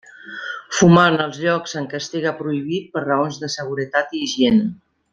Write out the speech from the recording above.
Fumar en els llocs en què estiga prohibit per raons de seguretat i higiene.